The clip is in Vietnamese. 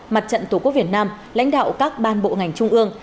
mặt trận tổ quốc việt nam lãnh đạo các ban bộ ngành trung ương